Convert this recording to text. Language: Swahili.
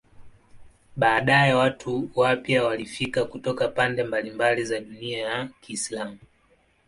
Baadaye watu wapya walifika kutoka pande mbalimbali za dunia ya Kiislamu.